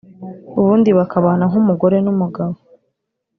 ubundi bakabana nk’umugore n’umugabo